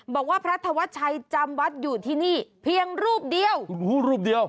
บอกว่าพระธวัชชัยจำวัดอยู่ที่นี่เพียงรูปเดียวโอ้โหรูปเดียว